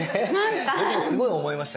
僕もすごい思いました。